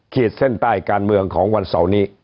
ขีดเส้นใต้การเมืองของวันเสาร์นี้